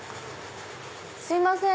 すいません！